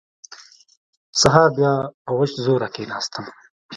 سهار بيا په وچ زور راکښېناستم.